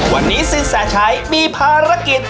วันนี้ซื้อสาชายมีภารกิจ